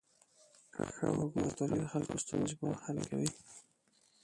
ښه حکومتولي د خلکو ستونزې په وخت حل کوي.